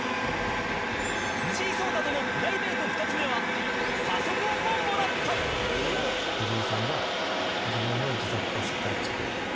藤井聡太とのプライベート２つ目はパソコンをもらった藤井さんが自分の自作パソコンを作ると。